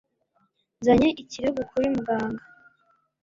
Nzanye ikirego kuri muganga.